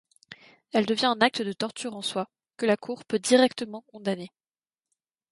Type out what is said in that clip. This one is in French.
Elle devient un acte de torture en soi, que la Cour peut directement condamner.